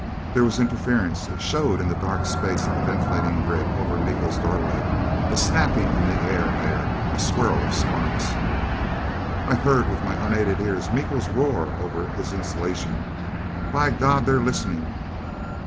There was interference: it showed in the dark space of the ventilator grid over Miko's doorway, a snapping in the air, there a swirl of sparks. I heard with my unaided ears Miko's roar over his insulation: "By God, they're listening!"